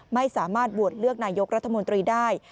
ไม่สามารถโหวตเลือกนายกรัฐมนตรีได้